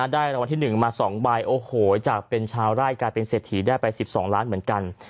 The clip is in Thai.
ได้รวมที่๑มา๒บายโอ้โหจากเป็นชาวร่ายการเป็นเศรษฐีได้ไป๑๒ล้านเหมือนกัน